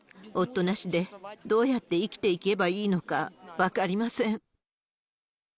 夫なしでどうやって生きていけばいいのか分かりません。